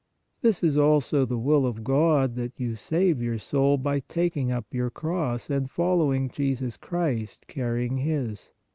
This is also the will of God, that you save your soul by taking up your cross and following Jesus Christ carrying His.